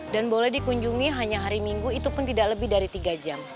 dan boleh dikunjungi hanya hari minggu itu pun tidak lebih dari tiga jam